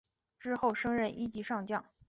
之后升任一级上将。